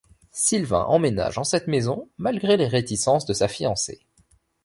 Sylvain emménage dans cette maison malgré les réticences de sa fiancée.